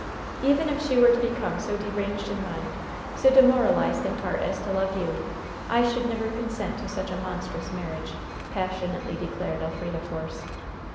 "Even if she were to become so deranged in mind, so demoralized in heart as to love you, I should never consent to such a monstrous marriage!" passionately declared Elfrida Force.